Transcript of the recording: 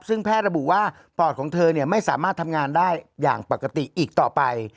ซึ่งแพทย์ระบุว่าปอดของเธอไม่สามารถทำงานได้อย่างปกติอีกต่อไป